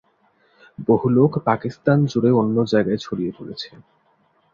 বহু লোক পাকিস্তান জুড়ে অন্য জায়গায় ছড়িয়ে পড়েছে।